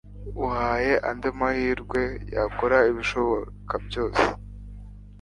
Uhaye andi mahirwe yakora ibishoboka byose